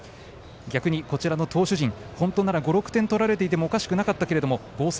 逆に、こちらの投手陣、本当なら５６点取られていてもおかしくなかったけど防戦